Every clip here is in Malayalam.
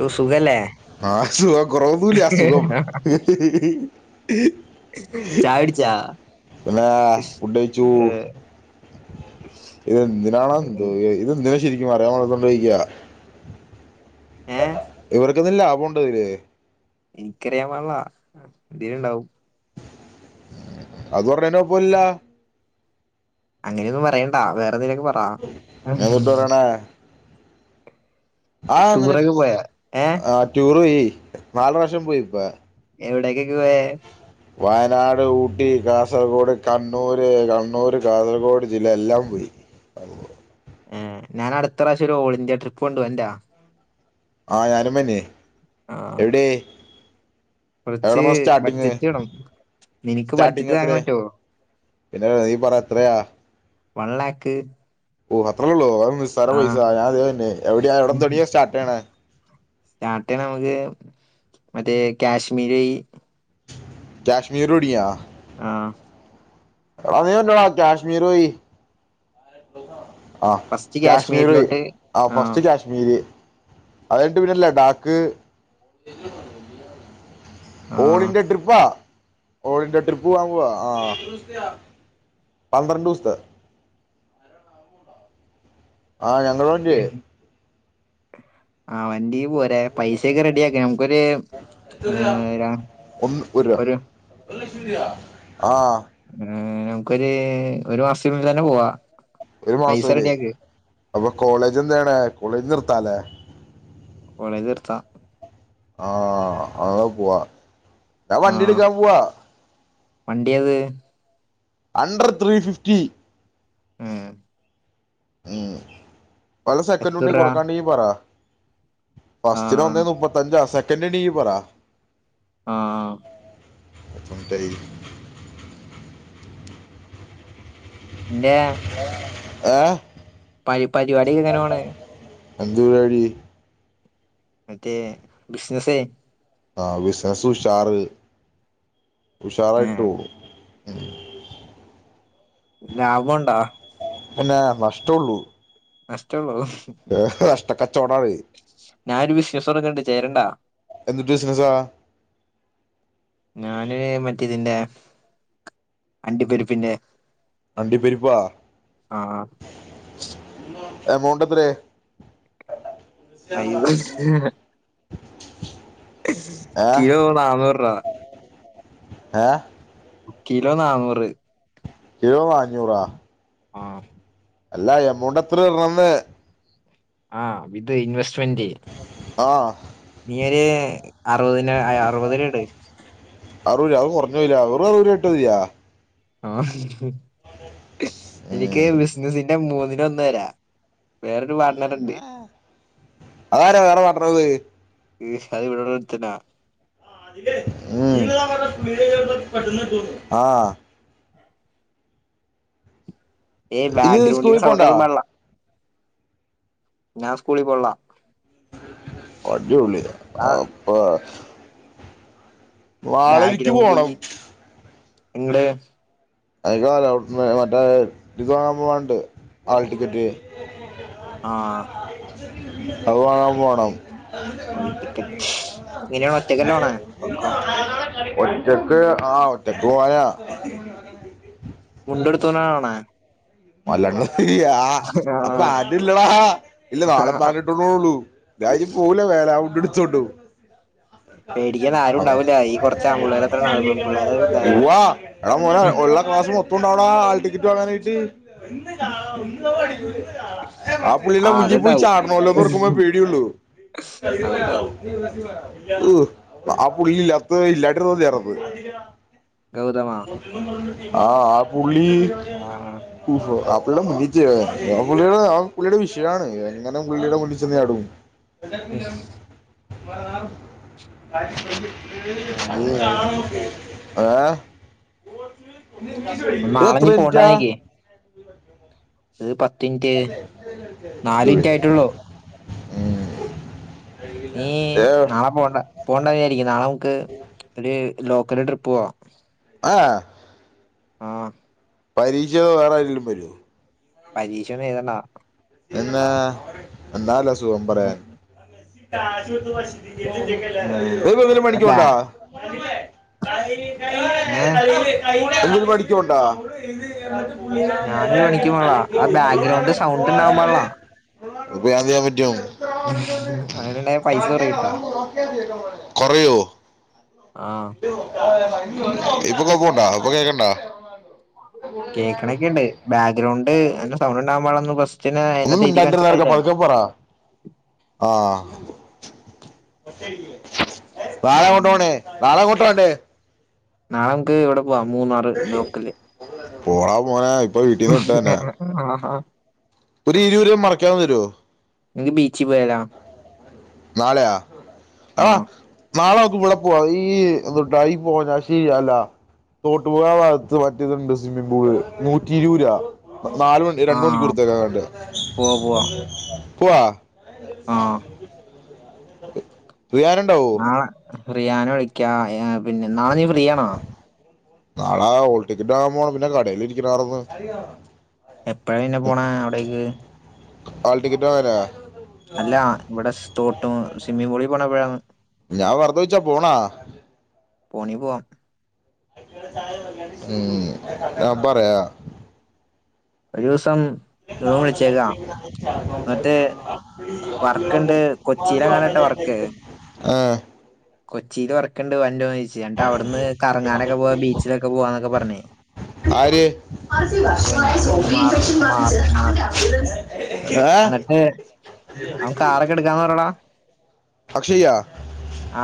ഓ സുഖല്ലേ ആസുഖം കൊറവൊന്നുല്യ. അസുഖം. ചായുടിച്ചാ പിന്നെ ഫുഡ് കഴിച്ചു. ഏ ഇതെന്തിനാണോന്തോ ഇതെന്തിന ശരിക്കും അറിയാമ്പാടില്ലാത്തോണ്ട് ചോദിക്കാ? ഏഹ് ക്ക് ലാഭംണ്ടതില് ഇക്കറിയാൻ പാടില്ല എന്തേലും ഇണ്ടാവും അത് പറഞ്ഞേന് കോഴപ്പുല്ല അങ്ങനെയൊന്നും പറയണ്ട ന്തെലോക്കെ പറ ഞാൻ തൊട്ട് പറയണേ ആ നിനെ ടൂറൊക്കെ പോയാ ഏ ആ ടൂറ് പോയി നാല് വർഷം പോയി ഇപ്പ എവിടക്കെക്കെ പോയെ വയനാട്, ഊട്ടി, കാസർഗോഡ്, കണ്ണൂര്, കണ്ണൂർ, കാസർഗോഡ് ജില്ല എല്ലാം പോയി ഏ ഞാൻ അട്ത്തപ്രാവശ്യം ഒരു ഓൾ ഇന്ത്യ ട്രിപ്പ് [unintelligible] ആ ഞാനും വെന്ന് ആ എവിടേ കുറച്ച് എവിടെമ്മുതലാ സ്റ്റാർട്ടിങ് ബഡ്ജറ്റ് വേണം നിനക്ക് സ്റ്റാർട്ടിങ് ബഡ്ജറ്റ് താങ്ങാൻ എത്ര പറ്റുമോ പിന്നെ നീ പറ എത്രയാ? വൺ ലാക്ക് ഓ അത്രള്ളോ? നിസ്സാര ആ പൈസ ഞാൻ തവർണ് എവിടെ എവിട തൊടിയ സ്റ്റാർട് ചെയ്യണെ? സ്റ്റാർട്ടെയ്യ്ണെ നമുക്ക് മറ്റേ കാശ്മീരി കശ്മീർ ഒടിയ ആ അതേ [unintelligible] കശ്മീർ വഴി [unintelligible] ആ ഫസ്റ്റ് കാശ്മീറ് കാശ്മീരിലോട്ട് ആ ഫസ്റ്റ് കാശ്മീരി അതയ്ഞ്ഞിട്ടു പിന്നെ ലഡാക്ക് ആ ഓൾ ഇന്ത്യ ട്രിപ്പാ ഓൾ ഇന്ത്യ ട്രിപ്പ് പോവാൻ പോവാ ആ പന്ത്രണ്ട് ദിവസത്തെ ആ ഞങ്ങളെ വണ്ടിയെ ആ വണ്ടിയും പോരെ പൈസയൊക്കെ റെഡിയാക്ക ഞമ്മക്കൊര് ആ ഒന്ന് രൂപ. ഒരു ആ ആ നമുക്കൊരു ഒരു മാസത്തിനുള്ളിൽ തന്നെ പോവാ ഒരു പൈസ മാസംല്ലേ റെഡിയാക്ക് അപ്പൊ കോളേജ് എന്തായ്യ്ണേ കോളേജ് നിർ ത്താലേ. കോളേജ് നിർത്താ. ആഹ് അതാ പോവാ. ഞാൻ വണ്ടിട്ക്കാൻ പോവാ. വണ്ടിയേത്? Under three fifty. ആഹ് ഊം വല്ല സെക്കനൻഡും എത്ര ണ്ടേ രൂപ കൊടുക്കാണ്ടെങ്കി പറ ഫസ്റ്റിന് ആഹ് ഒന്നേ മുപ്പത്തഞ്ച് സെ പിന്നണീ പറ ആഹ് ആഹ് എത്ര മിൻറ്റായി എന്റെ ഏഹ് പരി പരിപാടി എങ്ങനെ പോണ് എന്ത് പരിപാടി മറ്റേ ബിസിനസേ ആ ബിസ്നസ് ഉഷാറ് ഏഹ് ഉഷാറായിട്ടോ [inaudible] ലാഭം ഉണ്ടോ പിന്നെ നഷ്ടോള്ളൂ നഷ്ടേ ഉള്ളൂ ഏ നഷ്ടക്കച്ചോടാണ് ഞാനൊര് ബിസ്നസ് തൊടങ്ങ്ണ്ട് ചേര്ണ്ടോ എന്തുട്ട് ബിസിനസാ ഞാന് മറ്റേ ഇതിന്റെ അണ്ടിപരിപ്പിന്റെ അണ്ടി പരിപ്പാ എമൗണ്ട് എത്രായി [unintelligible] കിലോ നാന്നൂറ് രൂപ ഏഹ് കിലോ നാന്നൂറ് കിലോ അഞ്ഞൂറാ ആഹ് അല്ല എമൗണ്ട് എത്ര വരണ്ന്ന് ആഹ് വിത് ഇൻവെസ്റ്റ്മെന്റ് ആ നീയൊരു അറുപതിന് അറുപതിരുപട് അറുപരു അത് കുറഞ്ഞോയിലെ അറുപരൂപ ട്ടാ മതിയാ ആഹ് എനിക്ക് ഉം ബിസിനസിന്റെ മൂന്ന് പതിനൊന്നേരാ [unintelligible] അതാര വേറെ പാർട്ണർ അത് ഇവിടൊള്ളൊരോത്തനാ ഉം ആ ഏയ് ഇത് ബാക്ക്ഗ്രൗണ്ടിന്ന് സ്കൂളിൽ സൗണ്ട് പോണ്ടാ ഒന്നും പടില്ല ഞാൻ സ്കൂളിൽ പോൾല്ല അടിയുള്ളി ആ അപ്പ വാളൊരുക്കി പോണം എങ്ങട് അയിക്ക അലോട്ട്മെൻ്റ് മറ്റേ ഇത് വാങ്ങാൻ പോണ്ട് ആൾ ടിക്കറ്റ് ആഹ് അത് വാങ്ങാ പോണം ഒരു ടിക്കറ്റ് ഇങ്ങനെയാണ് ഒറ്റക്കല്ല പോണേ ഒക്കെ ഒറ്റക്ക് ആ ഒറ്റക്ക് പോയാ മുണ്ടുടുത്തേനാന്നോ പോണെ മല്ലാട്ട് ഏ ആ അപ്പ അതില്ലടാ ഇല്ല നാളെ പാൻ്റിട്ടോണ്ട് പോണുള്ളൂ. ഞാഇനി പോവൂലാ [unintelligible] ച്ചൊടു പേടിക്കാൻ ആരും ഉണ്ടാവൂല ഈ കുറച്ച് ആൺപിള്ളേർ അത്ര ഉണ്ടാവും പെൺപിള്ളേർ വാ എടാ മോനെ ഒള്ള ക്ലാസ്സ് ഇപ്പുണ്ടോടാ ആൾടിക്കറ്റ് വാങ്ങാനായിട്ട് ആ പുള്ളിടെ മുഞ്ചി പോയി ചാടണോലോന്ന് ഓർക്കുമ്പോഴാ പേടിയുള്ളു അതുണ്ടാവും ഉ ആ പുള്ളി ഇല്ലാത്തത് ഇല്ലാണ്ടിരുന്നാ മതിയാർന്നു ഗൗതമാ ആ ആപൂ ഉള്ളി ആ അപ്പോഴും ഒന്നിച്ചേ ആ പുള്ളിടെ ആ പുള്ളിയുടെ വിഷയാണേ എങ്ങനെ പുള്ളിയുടെ മുന്നിച്ചെന്നു ചാടുവോ? എല്ലാർക്കും ഇല്ല അടി [inaudible] [inaudible] ഏഹ് ഒന്ന് ഇത് നാളെ നീ എത്രമിനിറ്റാ പോണ്ടാ വ എനിക്ക് ഇത് മിനിറ്റ് അ നാല് ദൂ മിനിറ്റ് ആയിട്ടുള്ളൂ നീ ഏ നാളെ പോണ്ട പോവണ്ടാരിക്കും നാളെ [unintelligible] ലോക്കല് ട്രിപ്പ് പോവാ ആഹ് ആഹ് പരീക്ഷയോ വേറെ ആരെങ്കിലും വരുവോ? പരീക്ഷയൊന്നും എഴുതണ്ട. എന്നാ? ഉം. എന്നാലസുഖമ്പറയാൻ [unintelligible] ഏ നീപ്പോന്തേലും ആ പണിക്ക് ബാ പോണ്ടാ? [unintelligible] ഏ എന്തേലും പണിക്ക് പോണ്ടോ? [unintelligible] ഞാനൊരു പണിക്ക് പോണില്ല ആ ബാക്ക്ഗ്രൗണ്ട് സൗണ്ട് ഉണ്ടാവാൻ പാടില്ല അതിപ്പോ ഞാന്തെയ്യാപറ്റും? അങ്ങനെണ്ടായ പൈസ കുറയൂട്ടാ കൊറയോ? ആ ഇപ്പൊ കോക്ക്ണ്ടോ? ഇപ്പോ കേക്ക്ണ്ടോ? കേൾക്ക്ണൊക്കെണ്ട്. ബാക്ക്ഗ്രൗണ്ട് എന്ത സൗണ്ട്ണ്ടാവാമ്പാടില്ലാന്ന് ഫ ഒന്ന് മിണ്ടാതിരിക്കെടാ ചെറ്ക്കാ പത്ക്കെ പറ ആഹ് ഇപ്പടെ നാളൻക്ക് ഇവടെ വാ മൂന്നാറ് ലോക്കല് പോടാ മോനെ ഇപ്പൊ വീട്ടീന്ന് വിട്ടതന്നെ ആഹ് ഹാ ഒരു ഇരുപത് രൂപ മറക്കാതെ തരുവോ എങ്കി ബീച്ചി പോയാല്ലൊ? നാളെയാ ആഹ് നാളെ ഓ ക്ക്വ്ടെ പോവാ ഈ [unintelligible] അല്ല തോട്ടുമുക്കം ആ ഭാഗത്ത് മറ്റേത്ണ്ട് സ്വിമ്മിംഗ് പൂള്. നൂറ്റി രൂരാ നാല് മണി രണ്ട് ആഹ് പോ മണിക്കൂർത്തേക്കങ്ങാണ്ട് പോവാ പോവാ പോവാ? ആഹ് റിയാന് ണ്ടാവോ? റിയാന വിളിക്കാ അയാ പിന്നെ നാളെനീഫ്രീയാണോ നാളെ ഹോൾടിക്കറ്റ് വാങ്ങാ പോണം പിന്നെ കടേല് ഇരിക്കണ കാണുമ്പോ എപ്പഴാ പിന്നെ പോണെ അവിടേക്ക് ആൾട്ടിക്കറ്റ് വാങ്ങാന അല്ല ഇവിടെ സ്തോട്ടു സ്വിമ്മി പൂളി പോണ എപ്പഴാണ് ഞാൻ വെറുതെ ചോയിച്ചാ പോണാ പോണി പോവാം ഉം ഞാന് പറയാ റിസം എന്നിട്ട് വർക്ക്ണ്ട് കൊച്ചിയിലെങ്ങാനട്ടെ ആ കൊച്ചില് വർക്ക്ണ്ട് വണ്ടൊ എന്നട്ട് അവിട്ന്ന് കറങ്ങാനൊക്കെ പോവാ ബീച്ചിലൊക്കെ പോവാന്നൊക്കെ പറ ഞ്ഞ് ആര് ഏഹ് ന്നട്ട് അവൻ കാറൊക്കെ എടുക്കാന്ന് പറയടാ അക്ഷയ്യാ ആ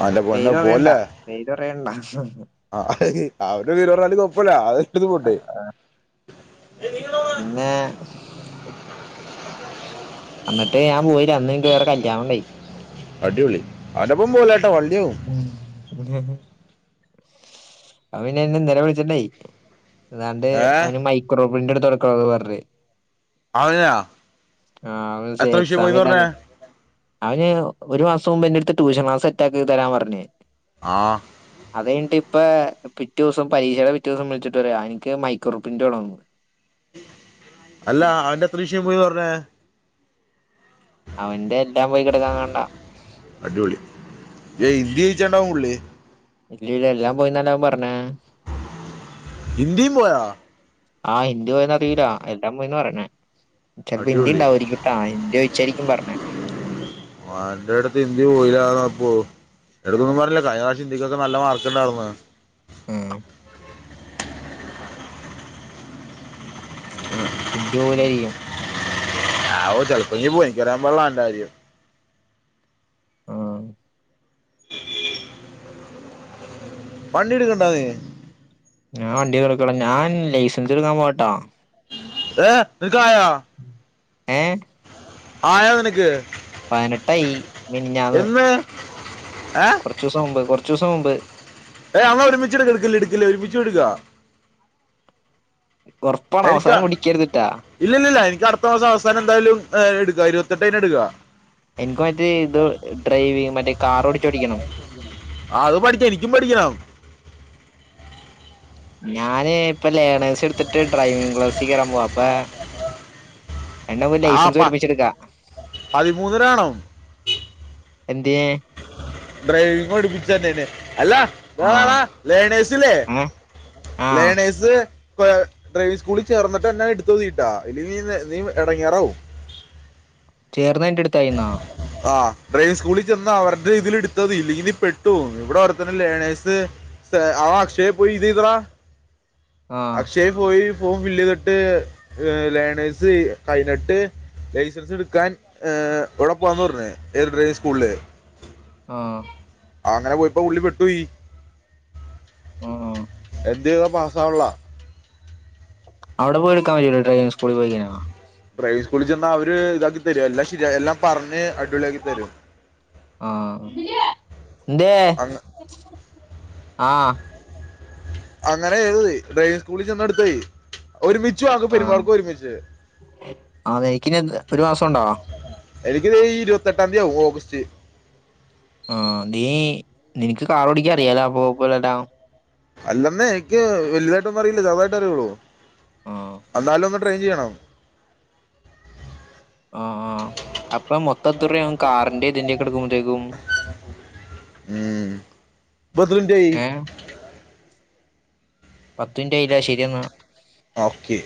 അവന്റെ പൊന്നോ പേര് പറയണ്ട പോല്ലേ പേര് പറയണ്ട ആ അവന്റെ തീരറാലും കൊപ്പല്ല അത് ആ, [unintelligible] പിന്നെ ന്നട്ട് ഞാൻ പോയി അന്ന്ൻക്ക് വേറെ കല്യാണം ഉണ്ടായി [unintelligible] പോലെ [inaudible] അവനെന്നെ നിലവിളിച്ചിട്ടെ താണ്ട് ഏ അവന് മൈക്രോ പ്രിന്റ്റെടുത്തടുക്കണെന്ന് പറഞ്ഞ് അതയെ ആഹ് എത്ര വിഷ്യ എക്സാം പോയിന്ന് പറഞ്ഞെ എഴുതാന് അവന് ഒരുമാസന്നെട്ത്ത ട്യൂഷൻ ക്ലാസ്സെറ്റാ ക്ക് തരാൻ പറഞ്ഞ് ആ അതൈയ്ഞ്ഞിട്ട് ഇപ്പ പിറ്റോസം പരീക്ഷേടെ പിറ്റേസം വിളിച്ച്ട്ട് പറയാ ൻക്ക് മൈക്രോട് പ്രിന്റ് വേണോന്ന് അല്ല അവനെത്രഷ്യ പോയന്നറഞ്ഞേ അവന്റെ എല്ലാ പോയി കെടക്കാകൊണ്ട ഇന്ദി ജയിച്ച്ണ്ടാവും പുള്ളി ഇല്ലല്ല എല്ലാം പോയിന്നവ പറഞ്ഞെ ഹിന്തിം പോയോ ആ ഹിന്ദി പോയന്ന് അറീല്ല എല്ലാം പോയിന്ന പറീണെ അടിപൊളി ചോദിച്ചായിരിക്കും പറഞ്ഞേ [inaudible] ഓന്റെട്ത്ത് ഇന്ദി പോയില്ല അ എടുക്കൊന്നു അറീല്ല അഴിഞ്ഞറാശ്യം ഇന്ദിക്കൊക്കെ നല്ല മാർക്ക് ഇണ്ടായിർന്ന ആമ് ഉം ഇന്ദി പോവൂലായിരിക്കും ആവു ചെലപ്പോങ്കി പോയിക്കാൻക്കറിയാപാടില്ല ഓന്റെ കാര്യം ആ [inaudible] വണ്ടിടുക്ക്ണ്ടായ്യ് ഞാൻ വണ്ടിട്ക്ക്ല്ല ഞാൻ ലൈസൻസ് ഇട്ക്കാപോട്ടാ [inaudible] ഏ ക്കായോ ഏഹ് ആ യാതനക്ക് [unintelligible] [inaudible] പതിനെട്ടായി മിനിഞ്ഞാന്ന് എന്ന് ഏ കുറച്ച് ദിവസം മുമ്പ് കുറച്ച് ദിവസം മുമ്പ് ഏ എന്നാ ഒരുമിച്ച് എടുക്കല്ലേഎടുക്കല്ലേ ഒരുമിച്ച് എടുക്ക ഉറപ്പാണ് എനിക്കാ അവസാനം ഓടിക്കരുതിട്ടാ ഇല്ലല്ലില്ല എനിക്ക് അടുത്ത മാസം അവസാനം എന്തായാലും ഏ എടുക്കാ ഇരുപത്തെട്ട് കഴിഞ്ഞ എടുക്കാ എനിക്ക് മറ്റേ ഇത് ഡ്രൈവിങ് മറ്റേ കാർ ഓടിച്ച് പഠിക്കണം ആ അത് പഠിക്ക എനിക്കും പഠിക്കണം ഞാന് ഇപ്പൊ ലേണേഴസ് എടുത്തിട്ട് ഡ്രൈവിങ് ക്ലാസ്സി കേറാൻ പോവാ അപ്പ ആ പ പതിമൂന്നിനാണോ എന്തിയെ ഡ്രൈവിങ് പഠിപ്പിച്ചന്നെ അല്ല ടാ ആ ടാ ടാ ലേണേഴ്സില്ലേ ഏ ആ ലെണേഴ്സ്സ് ഡ്രൈവിങ് സ്കൂളിൽ ചേർന്നിട്ട് എന്നാൻ എടുത്താതീട്ടാ ഇല്ല നീ നീ ഇടങ്ങാറാവും ചേർന്ന എന്റെ അടുത്തായിന്നാ ആ ഡ്രൈവിംഗ് സ്കൂളിൽ ചെന്ന് അവരുടെ ഇതിൽ എടുത്തതാതി ഇല്ലെങ്കിൽ നി പെട്ടു പോവും ഇവിടെ ഓ തന്നെ ലേണേസ് അവ അക്ഷയെ പോയിട്ട് ഇത് ഇത്രാ ആ അക്ഷയെ പോയി ഫോം ഫില്ലേയിതിട്ട് ലേണേഴ്സ് കഴഞ്ഞിട്ട് ലൈസൻസ് എടുക്കാൻ ഉഴപ്പന്നൂറിനെ ഏത് ഡ്രൈ സ്കൂളിൽ [unintelligible] ആഹ ആ അങ്ങനെ പോയിപ്പോ പുള്ളി പെട്ടുപോയി ആഹ എന്ത്യേതാ പാസാവണില്ല അവിടെ പോയാ എടുക്കാൻപറ്റോ ഡ്രൈവിംഗ് സ്കുളിൽ പോയ്‌ കഴിഞ്ഞാൽ പ്രൈസ് [inaudible] [unintelligible] സ്കൂളിൽ ച്ചെന്നാൽ അവര് ഇതാക്കി തരും എല്ലാം ശരി എല്ലാം പറഞ്ഞ് അടിപൊളിയാക്കി തരും ആഹ അങ്ങ- ആഹ അങ്ങനെ ചെയ്താതി ഡ്രൈവിങ് സ്കൂളിൽ ചെന്ന് എടുത്താതി ആ ആ നിനക്കിനി ഒരു മാസം ഉണ്ടോ ഇ ഇരുപത്തി എട്ടാം തീയതിയാവും ഓഗസ്റ്റ് ആഹ നീ നിനക്ക് കാറോടിക്ക അറിയാലാ പോപ്പലട്ടാ അല്ലെന്നേ എനിക്ക് വലുതായിട്ടൊന്നും അറിയില്ല ചെറുതായിട്ട് അറിയുള്ളൂ ആഹ ചെയ [unintelligible] ആ ആ അപ്പൊ മൊത്തം എത്രൂപ ആകും കാറിന്റെ ഇതിന്റെയൊക്കെടുക്കുമ്പത്തേക്കും ഉം ബദലുന്റെ ഏഹ് പത്ത് മിനിറ്റായില്ലേ ശരിയെന്നാ ഓക്കെ